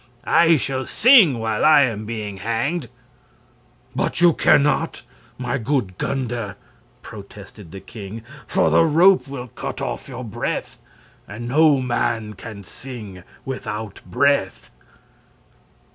"I shall sing while I am being hanged." "But you can not, my good Gunder," protested the king; "for the rope will cut off your breath, and no man can sing without breath."